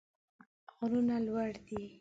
غرونه لوړ دي.